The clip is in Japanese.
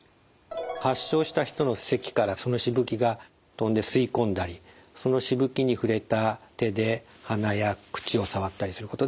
発症した人のせきからそのしぶきが飛んで吸い込んだりそのしぶきに触れた手で鼻や口を触ったりすることで感染します。